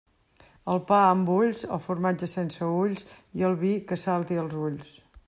El pa amb ulls, el formatge sense ulls i el vi que salti als ulls.